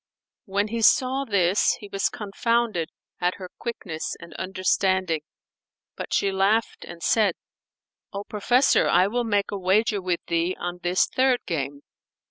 When he saw this he was confounded at her quickness and understanding; but she laughed and said, "O professor, I will make a wager with thee on this third game.